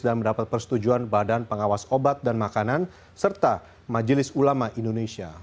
dan mendapat persetujuan badan pengawas obat dan makanan serta majelis ulama indonesia